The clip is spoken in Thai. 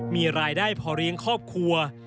มีรายได้พอเลี้ยงครอบครัว